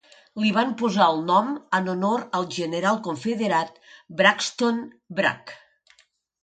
Li van posar el nom en honor al general confederat Braxton Bragg.